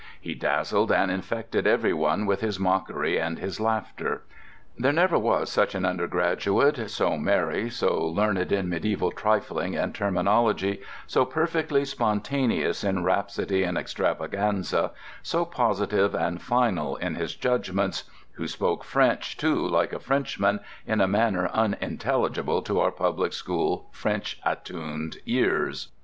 He dazzled and infected everyone with his mockery and his laughter. There never was such an undergraduate, so merry, so learned in medieval trifling and terminology, so perfectly spontaneous in rhapsody and extravaganza, so positive and final in his judgments—who spoke French, too, like a Frenchman, in a manner unintelligible to our public school French attuned ears."